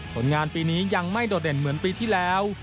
ผลงานปีนี้ยังไม่โดดเด่นเหมือนปีที่แล้ว